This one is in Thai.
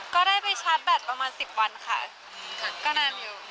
ก็ได้ไปชาร์จแบตประมาณ๑๐วันค่ะก็นานอยู่